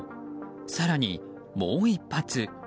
更にもう１発。